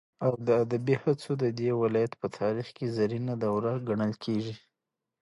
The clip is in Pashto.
او د ادبي هڅو ددې ولايت په تاريخ كې زرينه دوره گڼل كېږي.